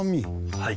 はい。